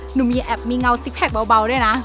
หนูมีแอบมีเงาซิกแพคเบาด้วยนะ